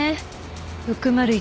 ６０１